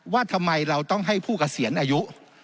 ว่าทำไมเราต้องให้ผู้เกษียณอายุ